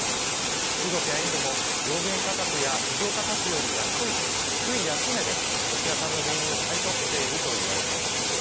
中国やインドも上限価格や市場価格より安い低い安値でロシア産の原油を買い取っていると言われています。